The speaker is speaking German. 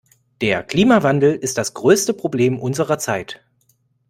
Der Klimawandel ist das größte Problem unserer Zeit.